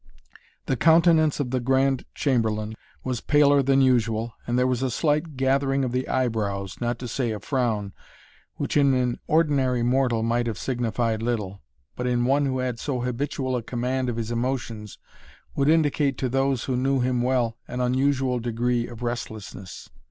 The countenance of the Grand Chamberlain was paler than usual and there was a slight gathering of the eyebrows, not to say a frown, which in an ordinary mortal might have signified little, but in one who had so habitual a command of his emotions, would indicate to those who knew him well an unusual degree of restlessness.